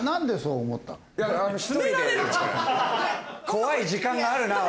怖い時間があるなおい。